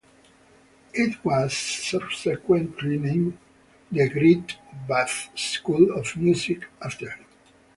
It was subsequently named the Greatbatch School of Music after him.